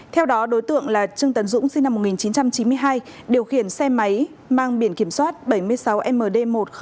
theo đó đối tượng là trương tấn dũng sinh năm một nghìn chín trăm chín mươi hai điều khiển xe máy mang biển kiểm soát bảy mươi sáu md một nghìn chín trăm bảy mươi